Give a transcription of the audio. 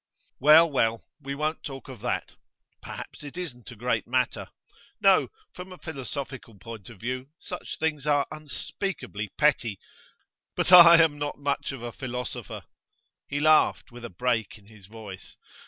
'Well, well; we won't talk of that. Perhaps it isn't a great matter. No from a philosophical point of view, such things are unspeakably petty. But I am not much of a philosopher.' He laughed, with a break in his voice.